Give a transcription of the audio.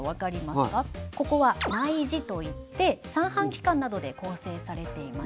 ここは内耳といって三半規管などで構成されています。